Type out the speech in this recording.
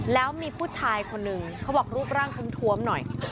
แล้วมีผู้ชายคนหนึ่งเขาบอกรูปร่างท้วมหน่อย